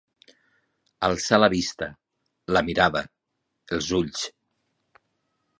Alçar la vista, la mirada, els ulls.